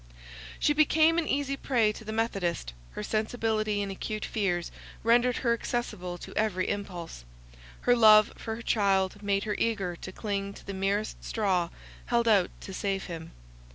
She became an easy prey to the methodist; her sensibility and acute fears rendered her accessible to every impulse; her love for her child made her eager to cling to the merest straw held out to save him.